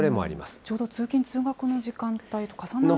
ちょうど通勤・通学の時間帯と重なるかもしれない。